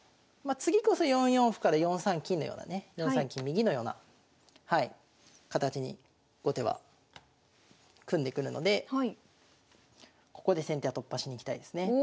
まあ次こそ４四歩から４三金のようなね４三金右のような形に後手は組んでくるのでここで先手は突破しにいきたいですね。